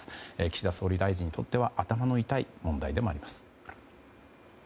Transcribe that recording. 岸田総理大臣にとっては頭の痛い問題でもあります。